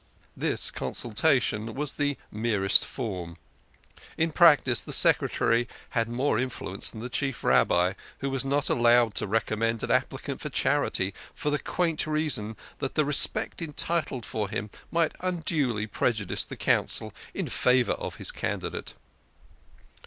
This consultation was the merest form ; in practice the Secretary had more influence than the Chief Rabbi, who was not allowed to recommend an applicant for THE KING OF SCHNORRERS. 109 charity, for the quaint reason that the respect entertained for him might unduly prejudice the Council in favour of his candidate.